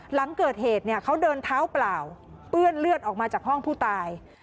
หลังเกิดเหตุเนี่ยเขาเดินเท้าเปล่าเปื้อนเลือดออกมาจากห้องผู้ตาย